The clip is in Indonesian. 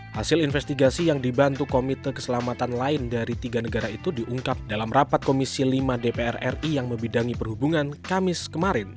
hasil investigasi yang dibantu komite keselamatan lain dari tiga negara itu diungkap dalam rapat komisi lima dpr ri yang membidangi perhubungan kamis kemarin